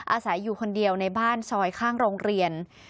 อาศัยอยู่คนเดียวในบ้านซอยข้างโรงเรียน